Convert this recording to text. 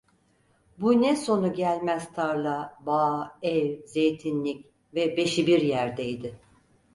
Bu ne sonu gelmez tarla, bağ, ev, zeytinlik ve beşibiryerdeydi!